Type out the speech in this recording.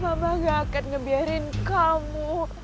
mama gak akan ngebiarin kamu